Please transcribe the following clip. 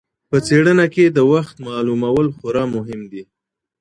په څېړنه کې د وخت معلومول خورا مهم دي.